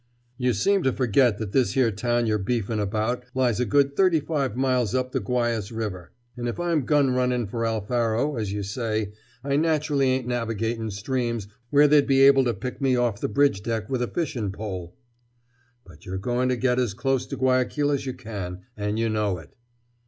"You seem to forget that this here town you're beefin' about lies a good thirty five miles up the Guayas River. And if I'm gun runnin' for Alfaro, as you say, I naturally ain't navigatin' streams where they'd be able to pick me off the bridge deck with a fishin' pole!" "But you're going to get as close to Guayaquil as you can, and you know it."